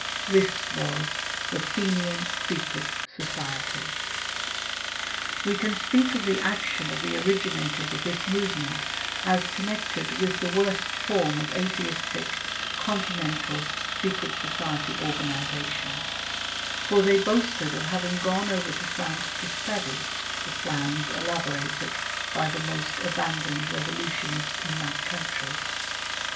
This was the Fenian Secret Society. We can speak of the action of the originators of this move ment as connected with the worst form of Atheistic, Continental, secret society organization ; for they boasted of having gone over to France •' to study " the plans elaborated by the most aban doned revolutionists in that country.